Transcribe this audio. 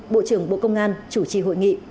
bộ trưởng bộ công an chủ trì hội nghị